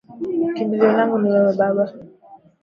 Kimbilio langu ni wewe baba